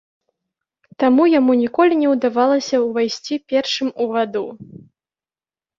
Таму яму ніколі не ўдавалася ўвайсці першым у ваду.